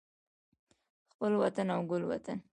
خپل وطن او ګل وطن